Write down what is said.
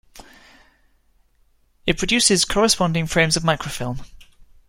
It produces corresponding frames of microfilm.